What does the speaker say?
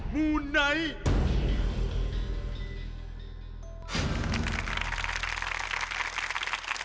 มูไนท์